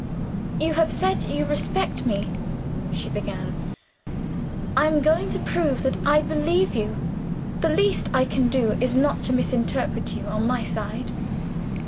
"You have said you respect me," she began; "I am going to prove that I believe you. The least I can do is not to misinterpret you, on my side.